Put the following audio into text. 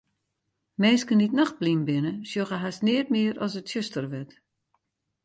Minsken dy't nachtblyn binne, sjogge hast neat mear as it tsjuster wurdt.